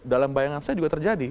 dalam bayangan saya juga terjadi